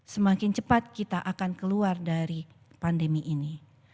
semakin cepat kita akan keluar dari pandemi ini